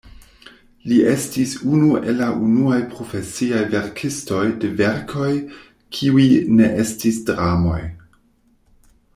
Li estis unu el la unuaj profesiaj verkistoj de verkoj kiuj ne estis dramoj.